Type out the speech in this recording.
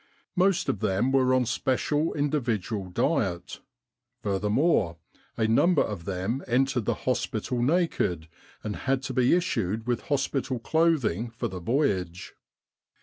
Most of them were on special individual diet. Furthermore, a number of them entered the hospital naked, and had to be issued with hospital clothing for the voyage.